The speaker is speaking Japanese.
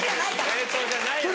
冷凍じゃないやつ。